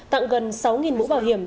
tặng gần sáu mũ bảo hiểm